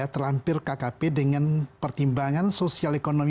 terlampir kkp dengan pertimbangan sosial ekonomi